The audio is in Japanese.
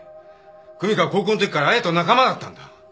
久美子は高校のときから亜矢と仲間だったんだ！